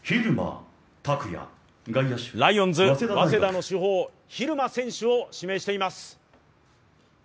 ライオンズ、早稲田の主砲蛭間選手を指名しています。